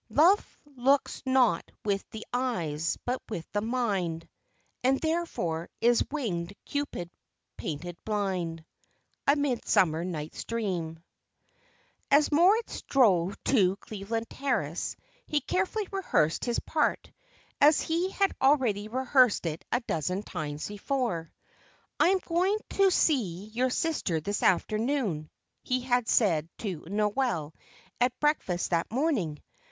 _ "Love looks not with the eyes, but with the mind, And therefore is wing'd Cupid painted blind." A Midsummer Night's Dream. As Moritz drove to Cleveland Terrace, he carefully rehearsed his part, as he had already rehearsed it a dozen times before. "I am going to see your sister this afternoon," he had said to Noel at breakfast that morning.